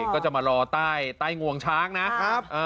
ก็จะมารอใต้งวงช้างนะครับ